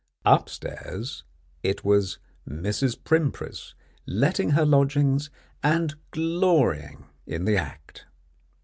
Upstairs it was Mrs. Primpris letting her lodgings and glorying in the act.